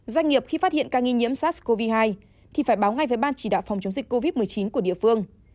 doanh nghiệp khi phát hiện ca nghi nhiễm sars cov hai thì phải báo ngay với ban chỉ đạo phòng chống dịch covid một mươi chín của địa phương